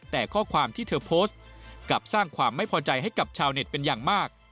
แต่ข้อความที่เธอโพสต์กลับสร้างความไม่พอใจให้กับชาวเน็ตเป็นอย่างมาก